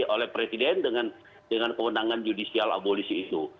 oleh presiden dengan kewenangan judicial abolisi itu